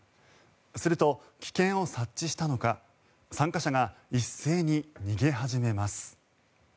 すると、危険を察知したのか参加者が一斉に逃げ始めます。